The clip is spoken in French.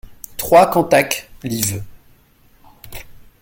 trois Cantac, liv.